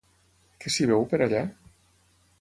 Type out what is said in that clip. Què s'hi veu, per allà?